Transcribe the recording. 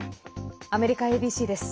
アメリカＡＢＣです。